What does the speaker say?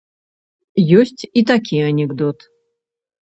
Ёсць і такі анекдот.